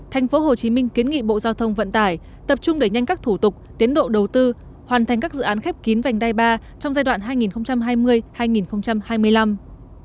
tp hcm kiến nghị bộ giao thông vận tải tập trung đẩy nhanh các thủ tục tiến độ đầu tư hoàn thành các dự án khép kín vành đai ba trong giai đoạn hai nghìn hai mươi hai nghìn hai mươi năm